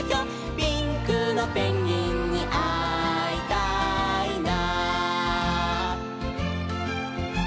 「ピンクのペンギンにあいたいな」